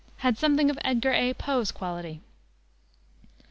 _ had something of Edgar A. Poe's quality.